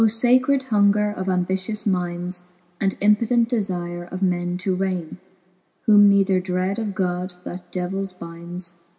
Sacred hunger of ambitious mindes. And impotent defire of men to raine ! Whom neither dread of God, that devills bindes.